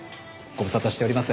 ご無沙汰しております。